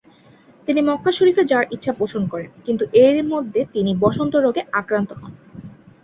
তিনি মক্কা শরীফে যাওয়ার ইচ্ছা পোষণ করেন, কিন্তু এর মধ্যে তিনি বসন্ত রোগে আক্রান্ত হন।